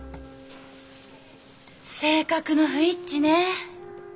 性格の不一致ね。